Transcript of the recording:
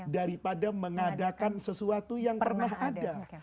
daripada mengadakan sesuatu yang pernah ada